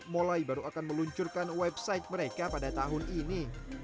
molai baru akan meluncurkan website mereka pada tahun ini